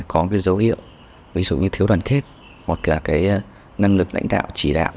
có dấu hiệu ví dụ như thiếu đoàn kết hoặc là năng lực lãnh đạo chỉ đạo